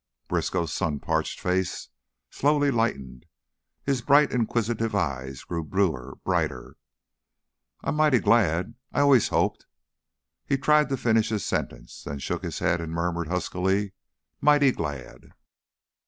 Briskow's sun parched face slowly lightened, his bright, inquisitive eyes grew bluer, brighter. "I'm mighty glad! I allus hoped " He tried to finish his sentence, then shook his head and murmured, huskily, "Mighty glad!"